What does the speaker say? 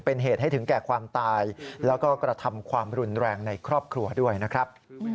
เป็นเหตุให้ถึงแก่ความตายแล้วก็กระทำความรุนแรงในครอบครัวด้วยนะครับ